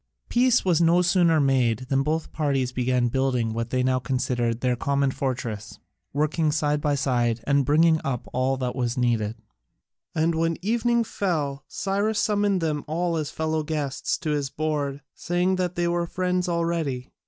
Peace was no sooner made than both parties began building what they now considered their common fortress, working side by side and bringing up all that was needed. And when evening fell, Cyrus summoned them all as fellow guests to his board, saying that they were friends already.